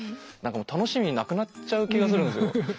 何かもう楽しみなくなっちゃう気がするんですよ。